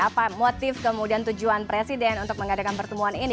apa motif kemudian tujuan presiden untuk mengadakan pertemuan ini